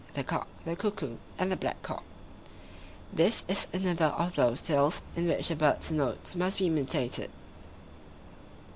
THE COCK, THE CUCKOO, AND THE BLACK COCK [This is another of those tales in which the birds' notes must be imitated.